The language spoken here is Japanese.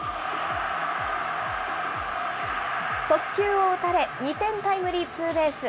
速球を打たれ、２点タイムリーツーベース。